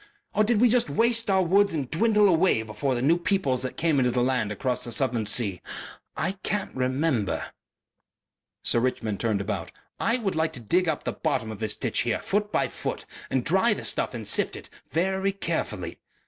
Or did we just waste our woods and dwindle away before the new peoples that came into the land across the southern sea? I can't remember...." Sir Richmond turned about. "I would like to dig up the bottom of this ditch here foot by foot and dry the stuff and sift it very carefully....